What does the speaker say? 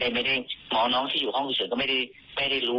ไม่ได้หมอน้องที่อยู่ห้องกุศลก็ไม่ได้รู้